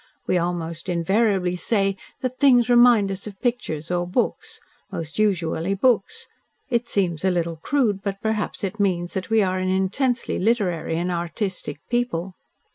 We almost invariably say that things remind us of pictures or books most usually books. It seems a little crude, but perhaps it means that we are an intensely literary and artistic people."